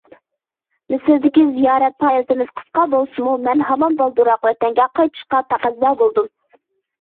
مىسىردىكى زىيارەت پائالىيىتىمىز قىسقا بولسىمۇ، مەن ھامان بالدۇرراق ۋەتەنگە قايتىشقا تەقەززا بولدۇم.